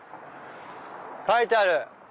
書いてある！